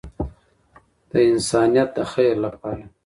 د انسانیت د خیر لپاره.